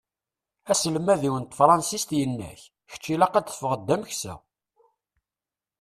Aselmad-iw n tefransist yenna-k: Kečč ilaq ad d-teffɣeḍ d ameksa.